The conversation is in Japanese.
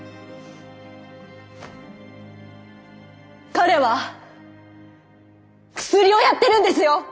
彼はクスリをやってるんですよ！